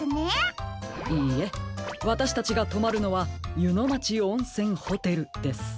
いいえわたしたちがとまるのはゆのまちおんせんホテルです。